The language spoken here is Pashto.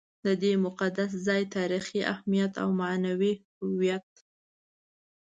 د دې مقدس ځای تاریخي اهمیت او معنوي هویت.